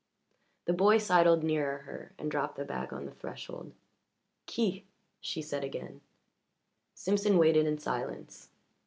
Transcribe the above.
The boy sidled nearer her and dropped the bag on the threshold. "Qui?" she said again. Simpson waited in silence.